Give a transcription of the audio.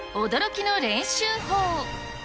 驚きの練習法。